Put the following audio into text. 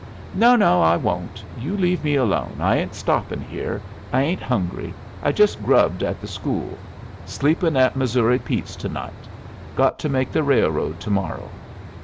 "No, no, I won't. You leave me alone. I ain't stoppin' here. I ain't hungry. I just grubbed at the school. Sleepin' at Missouri Pete's to night. Got to make the railroad tomorrow."